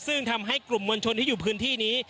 ซึ่งทำให้กลุ่มมวลชนที่อยู่พื้นที่นี้